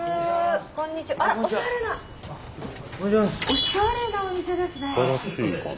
おしゃれなお店ですね。